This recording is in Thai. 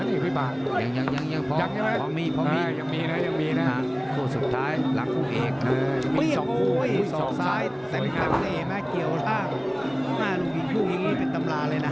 ตามสูตรเลยกะ